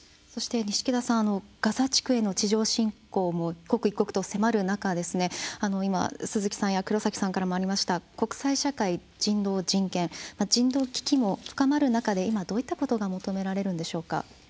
錦田さん、ガザ地区への地上侵攻も刻一刻と迫る中、鈴木さんや黒崎さんからもありました国際社会、人道、人権人道危機も深まる中で今、どういったことが求められるんでしょうか。